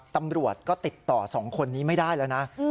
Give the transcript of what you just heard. ตำรวจก็ติดต่อ๒คนนี้ไม่ได้แล้วนะ